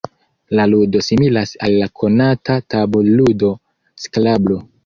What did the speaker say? La ludo similas al la konata tabul-ludo skrablo.